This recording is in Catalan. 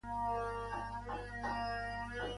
Com puc anar a Pau el dos de juny a dos quarts de tres?